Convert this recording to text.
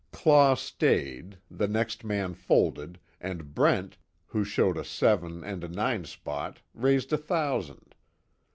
Claw stayed, the next man folded, and Brent, who showed a seven and a nine spot raised a thousand.